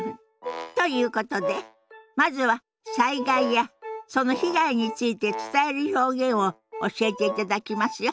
ということでまずは災害やその被害について伝える表現を教えていただきますよ。